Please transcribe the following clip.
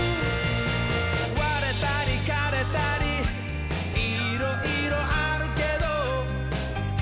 「われたりかれたりいろいろあるけど」